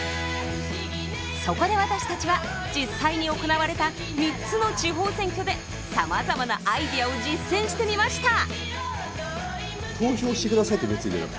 そこで私たちは実際に行われた３つの地方選挙でさまざまなアイデアを実践してみました！